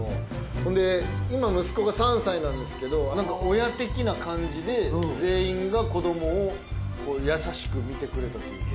ほんで今息子が３歳なんですけど親的な感じで全員が子供を優しく見てくれたというか。